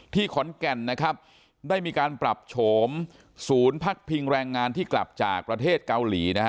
ที่ขอนแก่นได้มีการปรับโฉมศูนย์พักพิงแรงงานที่กลับจากประเทศเกาหลี